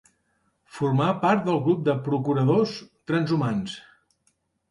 Formà part del grup de procuradors transhumants.